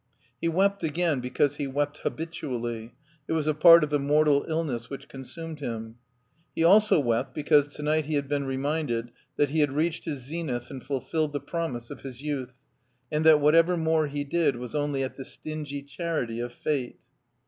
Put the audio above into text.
He wept again, because he wept habitually ; it was a part of the mortal illness which consumed him. He also wept because to night he had been reminded that he had reached his zenith and fulfilled the profnise of his youth, and that what ever more he did was only at the stingy charity of fate.